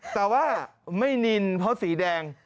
แต่ว่าไม่นินเพราะสีแดง